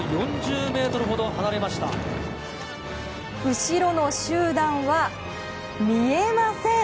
後ろの集団は見えません。